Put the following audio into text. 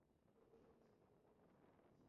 যদি তোমার সঠিক মনে হয়, তাহলেই।